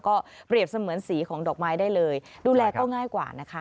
ก็เปรียบเสมือนสีของดอกไม้ได้เลยดูแลก็ง่ายกว่านะคะ